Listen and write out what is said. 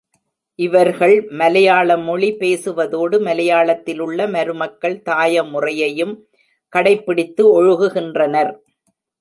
இவர்கள் மலையாள மொழி பேசுவதோடு, மலையாளத்திலுள்ள மருமக்கள் தாய முறையையும் கடைப்பிடித்து ஒழுகுகின்றனர்.